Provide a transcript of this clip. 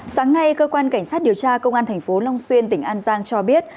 sáng nay cơ quan cảnh sát điều tra công an tp long xuyên tỉnh an giang cho biết